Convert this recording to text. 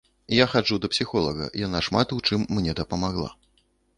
Я хаджу да псіхолага, яна шмат у чым мне дапамагла.